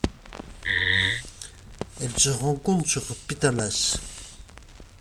Elle se rencontre sur Petalás.